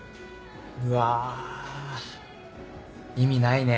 うわ意味ないね。